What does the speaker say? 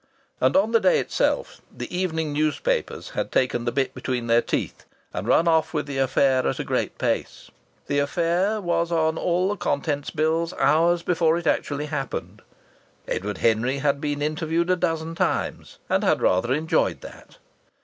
And on the day itself the evening newspapers had taken the bit between their teeth and run off with the affair at a great pace. The affair was on all the contents bills hours before it actually happened. Edward Henry had been interviewed several times, and had rather enjoyed that.